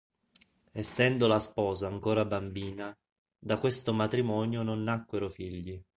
Essendo la sposa ancora bambina, da questo matrimonio non nacquero figli.